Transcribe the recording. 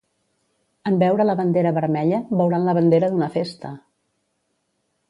En veure la bandera vermella, veuran la bandera d'una festa!